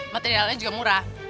materialnya juga murah